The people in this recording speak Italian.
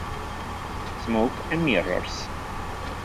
Smoke and Mirrors